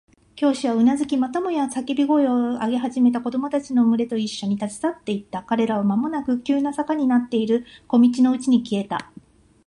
教師はうなずき、またもや叫び声を上げ始めた子供たちのむれといっしょに、立ち去っていった。彼らはまもなく急な坂になっている小路のうちに消えた。